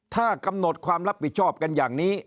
ถ้ากำหนดความรับผิดชอบกันอย่างนี้